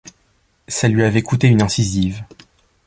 Ça lui avait coûté une incisive.